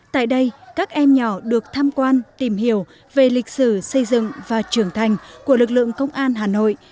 tại đây các em nhỏ được tham quan tìm hiểu về lịch sử xây dựng và trưởng thành của lực lượng công an hà nội